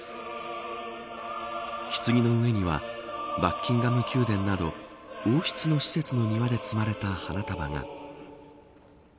ひつぎの上にはバッキンガム宮殿など王室の施設の庭でつまれた花束が。